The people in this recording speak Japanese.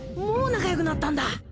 もう仲よくなったんだ！